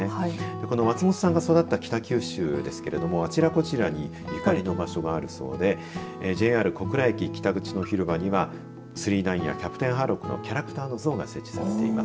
この松本さんが育った北九州ですけれどもあちらこちらにゆかりの場所があるそうでＪＲ小倉駅北口の広場には９９９やキャプテンハーロックのキャラクターの像が設置されています。